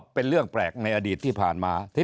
นี่ก็เป็นเรื่องแปลกในอดีตที่ผ่านมาหากิน